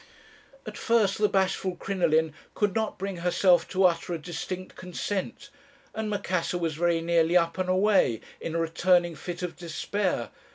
At first the bashful Crinoline could not bring herself to utter a distinct consent, and Macassar was very nearly up and away, in a returning fit of despair.